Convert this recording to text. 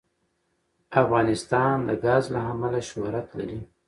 افغانستان د ګاز له امله شهرت لري.